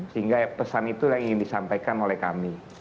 sehingga pesan itu yang ingin disampaikan oleh kami